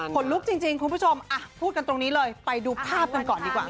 ลุกจริงคุณผู้ชมพูดกันตรงนี้เลยไปดูภาพกันก่อนดีกว่า